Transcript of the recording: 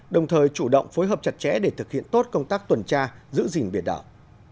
đồng thời chủ động phối hợp chặt chẽ để thực hiện tốt công tác tuần tra giữ gìn biển đảo